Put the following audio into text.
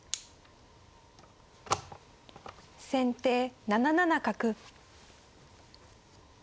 先手７七角。